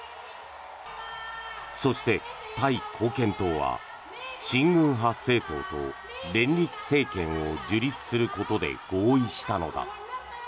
そして、タイ貢献党は親軍派政党と連立政権を樹立することで合意したのだ。